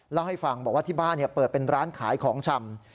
เล่าให้ฟังบอกว่าที่บ้านเปิดเป็นร้านขายของชำ